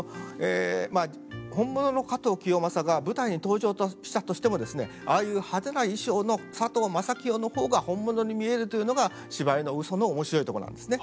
まあ本物の加藤清正が舞台に登場したとしてもですねああいう派手な衣装の佐藤正清の方が本物に見えるというのが芝居の嘘の面白いとこなんですね。